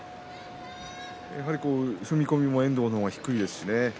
やはり踏み込みも遠藤の方が低いですしね。